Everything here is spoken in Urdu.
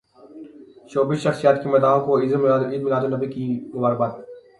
شوبز شخصیات کی مداحوں کو عید میلاد النبی کی مبارکباد